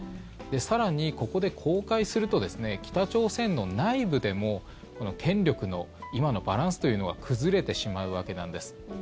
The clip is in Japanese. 更に、ここで公開すると北朝鮮の内部でも権力の今のバランスというのは崩れてしまうわけなんです。